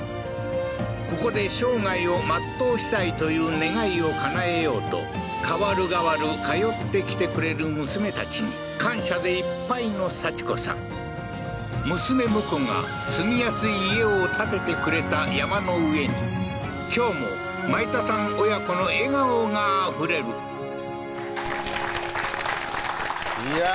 ここで生涯を全うしたいという願いをかなえようと代わる代わる通ってきてくれる娘たちに感謝でいっぱいの幸子さん娘婿が住みやすい家を建ててくれた山の上に今日も舞田さん親子の笑顔があふれるいや